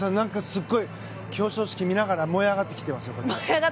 すごい、表彰式を見ながら盛り上がってきていますよ。